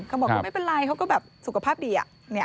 เขาบอกก็ไม่เป็นไรเขาก็แบบสุขภาพดีอะ